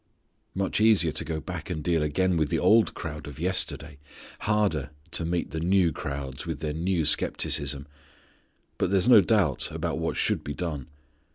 Much easier to go back and deal again with the old crowd of yesterday; harder to meet the new crowds with their new skepticism, but there's no doubt about what should be done.